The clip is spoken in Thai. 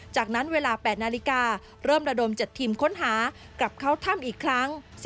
จากนั้นเวลา๘นาฬิกาเริ่มระดม๗ทีมค้นหากลับเข้าถ้ำอีกครั้ง